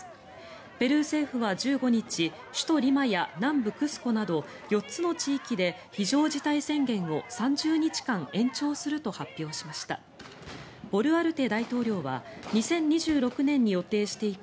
ペルー政府は１５日首都リマや南部クスコなど４つの地域で非常事態宣言を３０日間延長すると発表しました。